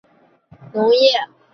大多数工作来源为农业。